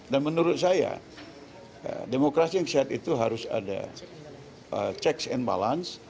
dan menurut saya demokrasi yang sehat itu harus ada checks and balance